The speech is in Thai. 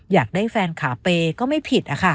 อยากได้แฟนขาเปก็ไม่ผิด